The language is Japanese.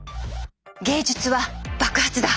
「芸術は爆発だ」。